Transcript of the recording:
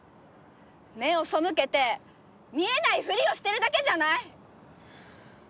目を背けて見えないフリをしてるだけじゃない？